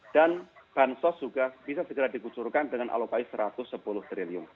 dan bansos juga bisa segera dikucurkan dengan alokasi rp satu ratus sepuluh triliun